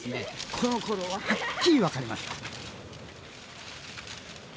このころははっきり分かりました。